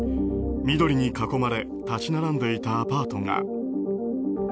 緑に囲まれ立ち並んでいたアパートが。